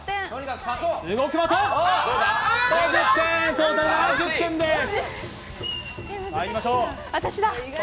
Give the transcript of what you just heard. トータル７０点です。